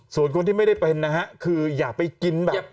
ส่วนคนที่ไม่ได้เป็นนะฮะคืออย่าไปกินแบบ